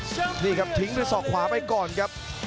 ทั้งคู่นี่ครับทิ้งด้วยสอบขวาไปก่อนครับ